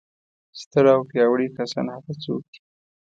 ستر او پیاوړي کسان هغه څوک دي.